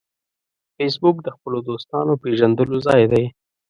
فېسبوک د خپلو دوستانو پېژندلو ځای دی